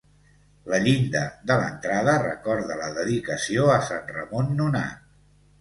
La llinda de l'entrada recorda la dedicació a Sant Ramon Nonat.